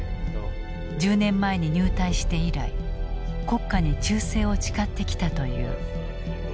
１０年前に入隊して以来国家に忠誠を誓ってきたという。